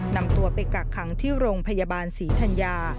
นำตัวไปกักขังที่โรงพยาบาลศรีธัญญา